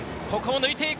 抜いて行く。